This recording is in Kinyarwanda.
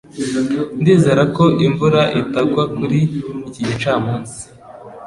Ndizera ko imvura itagwa kuri iki gicamunsi